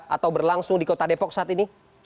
atau berlangsung di kota depok saat ini